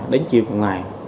đến chiều cùng ngày